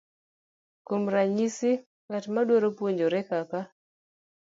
Kuom ranyisi, ng'at madwaro puonjre kaka